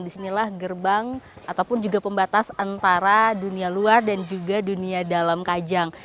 disinilah gerbang ataupun juga pembatas antara dunia luar dan juga dunia dalam kajang